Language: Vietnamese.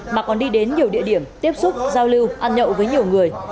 mà còn đi đến nhiều địa điểm tiếp xúc giao lưu ăn nhậu với nhiều người